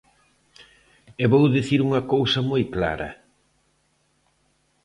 E vou dicir unha cousa moi clara.